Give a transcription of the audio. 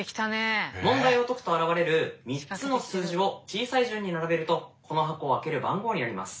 問題を解くと現れる３つの数字を小さい順に並べるとこの箱を開ける番号になります。